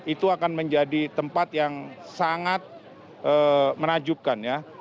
itu akan menjadi tempat yang sangat menajubkan ya